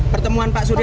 pertemuan pak surya